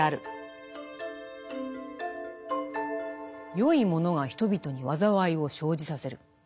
善いものが人々に災いを生じさせる。